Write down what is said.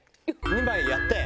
２枚やって。